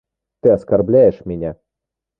Ты оскорбляешь меня.